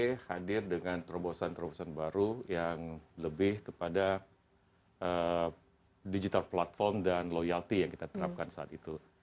kita hadir dengan terobosan terobosan baru yang lebih kepada digital platform dan loyalty yang kita terapkan saat itu